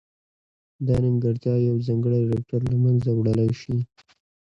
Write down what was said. دا نیمګړتیا یو ځانګړی ډاکټر له منځه وړلای شي.